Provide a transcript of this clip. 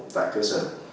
tại cơ sở